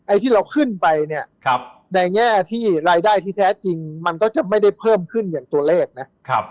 ที่เราขึ้นไปเนี่ยในแง่ที่รายได้ที่แท้จริงมันก็จะไม่ได้เพิ่มขึ้นอย่างตัวเลขนะ